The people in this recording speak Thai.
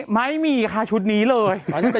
ไม่มีค่ะชุดนี้เลย